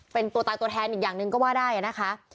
เป็นตัวตายตัวแทนอีกอย่างหนึ่งก็ว่าได้นะคะ